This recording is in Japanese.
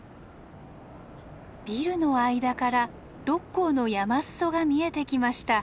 ビルの間から六甲の山裾が見えてきました。